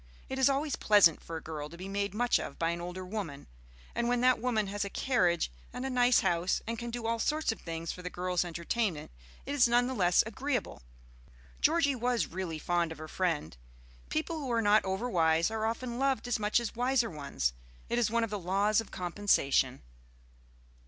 It is always pleasant for a girl to be made much of by an older woman; and when that woman has a carriage and a nice house, and can do all sorts of things for the girl's entertainment, it is none the less agreeable. Georgie was really fond of her friend. People who are not over wise are often loved as much as wiser ones; it is one of the laws of compensation.